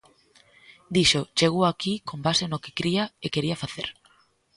Dixo: Chegou aquí con base no que cría e quería facer.